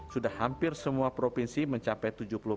sudah hampir semua provinsi mencapai tujuh puluh